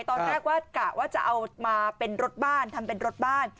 ตอนแรกว่ากะว่าจะเอามาเป็นรถบ้านทำเป็นรถบ้าน